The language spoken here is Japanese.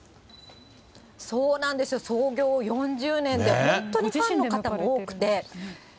そうなんですよ、創業４０年で、本当にファンの方が多くて。